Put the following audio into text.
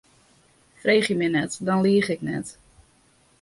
Freegje my net, dan liich ik net.